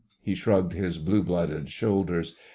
He shrugged his blue blooded shoulders.